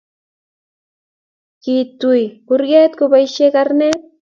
kituy kurget kobaishe karnet